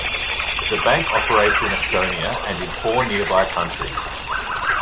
The bank operates in Estonia and in four nearby countries.